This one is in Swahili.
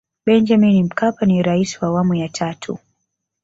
benjamin mkapa ni rais wa awamu ya tatu